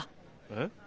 えっ？